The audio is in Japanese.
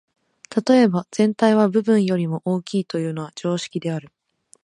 例えば、「全体は部分よりも大きい」というのは常識である。